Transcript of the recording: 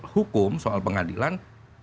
hukum soal pengadilan